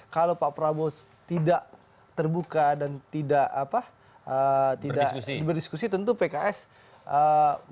kalau pak prabowo tidak terbuka dan tidak berdiskusi tentu pks nggak mau bersama